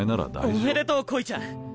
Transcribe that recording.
おめでとう恋ちゃん。